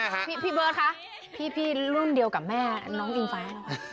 เป็นหน้ากลุ่มเดียวกับแม่น้องอิงฟ้า